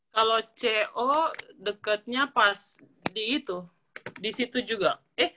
kalau co dekatnya pas di itu di situ juga